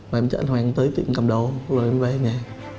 và em cho anh hoàng tới tiệm cầm đồ rồi em về nhà